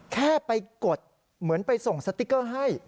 แค่ไปกดเหมือนไปส่งสติ๊กเกอร์ให้